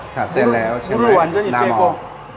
จ่ายเส้นเรียบร้อยแล้วเส้นเย็นแล้ว